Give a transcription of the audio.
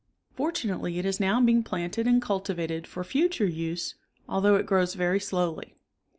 Fortunately it is now being planted and cultivated for future use although it grows very slowly.